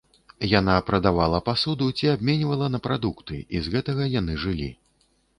Яна прадавала пасуду ці абменьвала на прадукты, і з гэтага яны жылі.